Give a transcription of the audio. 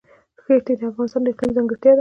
ښتې د افغانستان د اقلیم ځانګړتیا ده.